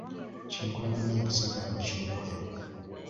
Kye nkola bannange saagala bakinkole.